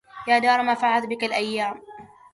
يا دار ما فعلت بك الأيام